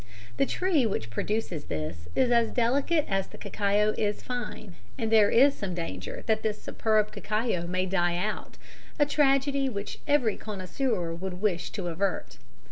The tree which produces this is as delicate as the cacao is fine, and there is some danger that this superb cacao may die out a tragedy which every connoisseur would wish to avert.